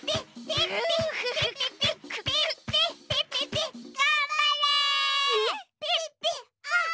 「ピッピッ」